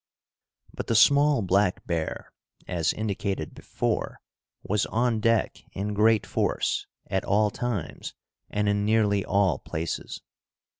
But the small black bear, as indicated before, was on deck in great force, at all times and in nearly all places.